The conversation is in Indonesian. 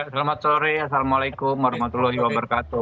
selamat sore assalamualaikum wr wb